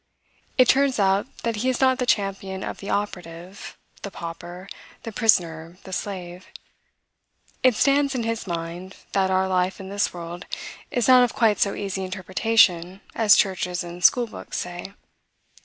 It turns out that he is not the champion of the operative, the pauper, the prisoner, the slave. It stands in his mind, that our life in this world is not of quite so easy interpretation as churches and school books say.